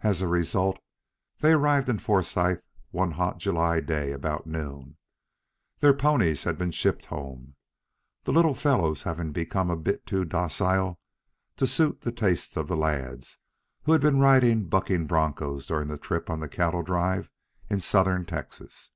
As a result they arrived in Forsythe one hot July day, about noon. Their ponies had been shipped home, the little fellows having become a bit too docile to suit the tastes of the lads, who had been riding bucking bronchos during their trip on a cattle drive in southern Texas.